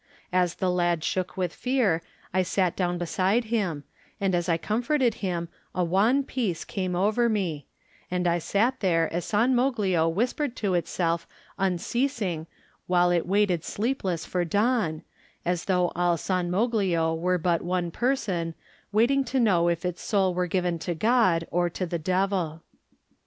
As the lad shook with fear I sat down beside him, and as I comforted him a wan peace came over me, and I sat there as San Moglio whispered to itself unceasing while it waited sleepless for dawn, as though all San Moglio were but one person, waiting to know if its soul were given to God or the devil.